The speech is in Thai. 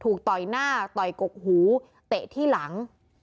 ต่อยหน้าต่อยกกหูเตะที่หลัง